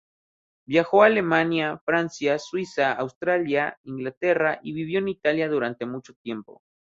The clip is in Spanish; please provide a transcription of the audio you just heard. Viajó a Alemania, Francia, Suiza, Austria, Inglaterra y vivió en Italia durante mucho tiempo.